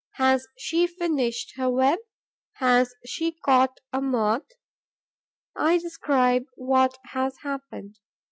'Has she finished her web? Has she caught a Moth?' I describe what has happened.